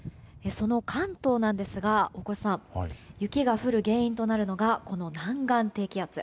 その関東なんですが、大越さん雪が降る原因となるのがこの南岸低気圧。